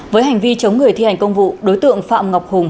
với hành vi chống người thi hành công vụ đối tượng phạm ngọc hùng